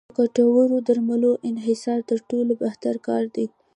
د ګټورو درملو انحصار تر ټولو بهتره کار دی.